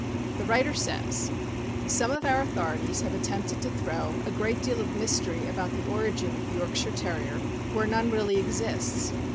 The writer says : Some of our authorities have attempted to throw a great deal of mystery about the origin of the Yorkshire Terrier, where none really exists.